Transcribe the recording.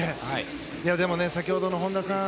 でも先ほどの本多さん